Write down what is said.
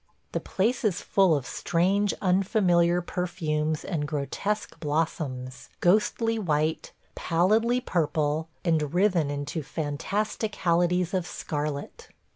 The place is full of strange unfamiliar perfumes and grotesque blossoms, ghostly white, pallidly purple, and writhen into fantasticalities of scarlet.